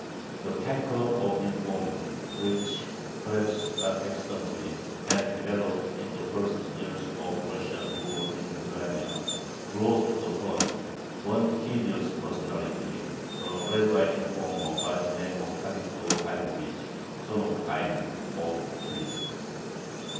The canker of "informing," which, perhaps not accidentally, had developed in the first years of Russian rule in Lithuania, brought to the front one hideous personality, a rabbi informer by the name of Avigdor Haïmovich (son of Hayyim), of Pinsk.